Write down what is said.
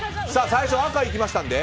最初赤いきましたので。